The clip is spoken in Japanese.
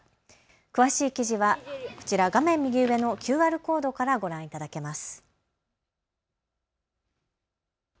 詳しい記事はこちら、画面右上のＱＲコードからご覧いただけます。